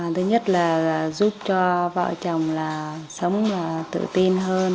thứ nhất là giúp cho vợ chồng sống tự tin hơn